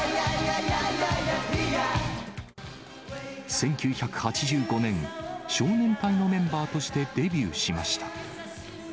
１９８５年、少年隊のメンバーとしてデビューしました。